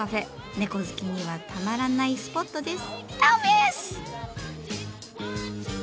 猫好きにはたまらないスポットです。